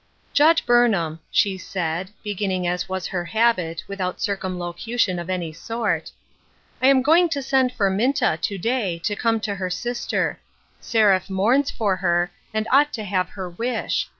JUDGE BURNHAM," she said, beginning as was her habit, without circumlocution of any sort, " I am going to send for Minta, to day, to come to her sister. Seraph mourns for her, and ought to have her wish.